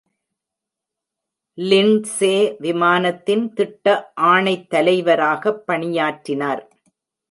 Lindsey விமானத்தின் திட்ட ஆணைத்தலைவராகப் பணியாற்றினார்.